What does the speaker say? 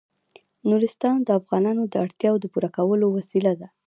نورستان د افغانانو د اړتیاوو د پوره کولو وسیله ده.